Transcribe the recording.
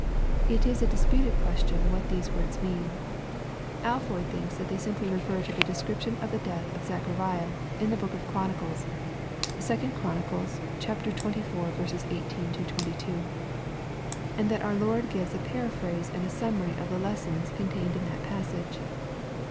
l It is a disputed question what these words mean. Alford thinks that they simply refer to the descrip tion of the death of Zechariah, in the book of Chronicles, (2 Chron. xxiv. 18 — 22,) and that our Lord gives a paraphrase and summary of the lessons contained in that passage.